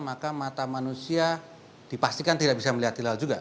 maka mata manusia dipastikan tidak bisa melihat hilal juga